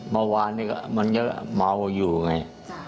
เมื่อวานนี่มันก็เมาอยู่ไง